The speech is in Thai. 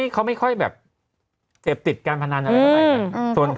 เขาไม่ค่อยแบบเต็บดินการพนันอะไรแบบนี้